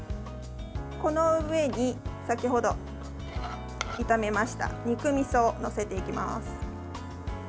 この上に先ほど炒めました肉みそを載せていきます。